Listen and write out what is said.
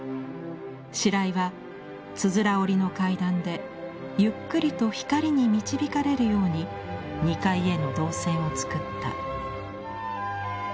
白井はつづら折りの階段でゆっくりと光に導かれるように２階への動線をつくった。